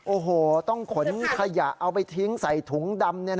โอ้โหต้องขนขยะเอาไปทิ้งใส่ถุงดำ